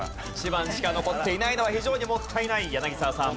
１番しか残っていないのは非常にもったいない柳澤さん。